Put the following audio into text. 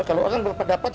kalau orang berpendapat sih